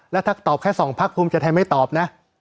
แล้วถ้าตอบแค่๒พักพรุ่งจะแต่ไม่ตอบนะ